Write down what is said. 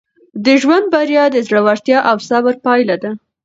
د ژوند بریا د زړورتیا او صبر پایله ده.